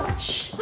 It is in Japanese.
あ。